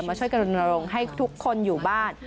มาช่วยกำลังให้ทุกคนอยู่บ้าน